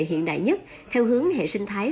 hiện đại nhất theo hướng hệ sinh thái